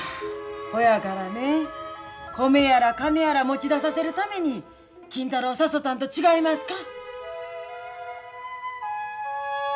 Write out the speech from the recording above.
ほやからね米やら金やら持ち出させるために金太郎誘たんと違いますか？